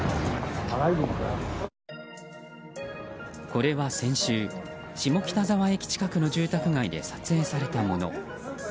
これは先週、下北沢駅近くの住宅街で撮影されたもの。